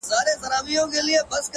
خپلــــــو بچو له پرې قاؽدې اخلمه